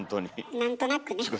なんとなくね。